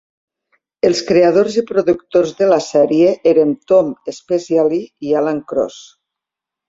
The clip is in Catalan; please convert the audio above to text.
Els creadors i productors de la sèrie eren Tom Spezialy i Alan Cross.